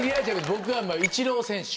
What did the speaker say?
僕はイチロー選手。